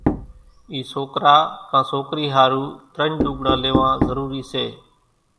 اِي سوڪرا ڪان سوڪري ۿارُو ترڃ لوڳڙان ليوان ضروري سي۔